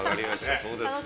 そうですか。